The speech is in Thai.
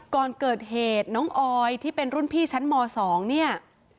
ก่อนเกิดเหตุน้องออยที่เป็นรุ่นพี่ชั้นม๒เนี่ย